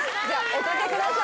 お掛けください。